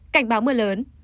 cảnh báo mưa lớn